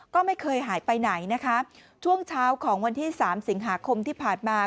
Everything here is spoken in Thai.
ก็ไม่เคยหายไปไหนนะคะช่วงเช้าของวันที่สามสิงหาคมที่ผ่านมา